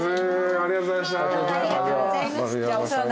ありがとうございます。